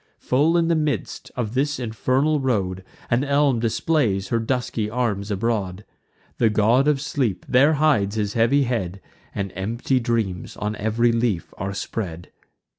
Full in the midst of this infernal road, An elm displays her dusky arms abroad: The God of Sleep there hides his heavy head, And empty dreams on ev'ry leaf are spread.